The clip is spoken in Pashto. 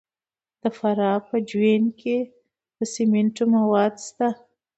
د فراه په جوین کې د سمنټو مواد شته.